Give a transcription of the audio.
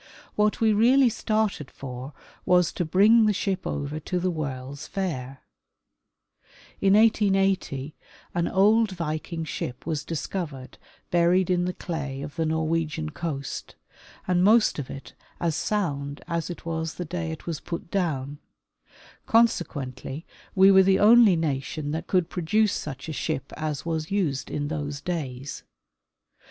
What we really started for was to bring the ship over to the World's Fair, In 1880 an old Viking ship was discovered buried in the clay of the Norwegian coast, and most of it as sound as it was the day it was put down ; consequently we were the only nation that could produce such a ship as was used in those days.